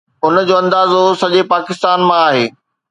ان جو اندازو سڄي پاڪستان مان آهي.